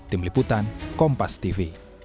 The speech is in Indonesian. tim liputan kompas tv